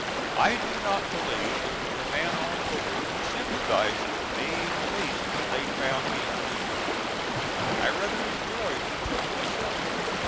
I do not believe there was a man on board who sympathized with me in the least when they found me uninjured. I rather enjoyed the joke myself.